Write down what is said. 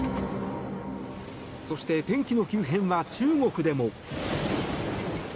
そして、天気の急変は中国でも。